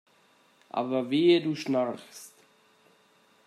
Aber wehe du schnarchst!